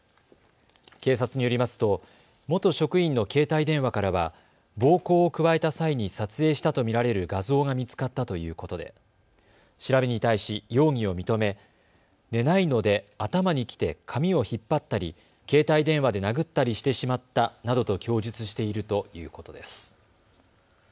警察によりますと元職員の携帯電話からは暴行を加えた際に撮影したと見られる画像が見つかったということで調べに対し容疑を認め、寝ないので頭にきて髪を引っ張ったり携帯電話で殴ったりしてしまったなどと供述しているということです。